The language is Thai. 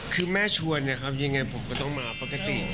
คือแม่ชวนนะครับยังไงผมก็ต้องมาปกติ